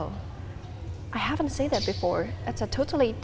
wow saya belum pernah melihat itu sebelumnya